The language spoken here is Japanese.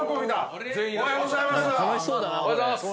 おはようございます。